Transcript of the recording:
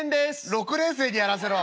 「６年生にやらせろ。